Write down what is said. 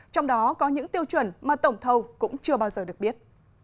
trong đó có những tiêu chuẩn mà tổng thầu cũng chưa bao giờ được biết